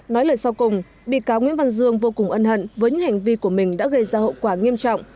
nói lời sau cùng bị cáo nguyễn văn dương vô cùng ân hận với những hành vi của mình đã gây ra hậu quả nghiêm trọng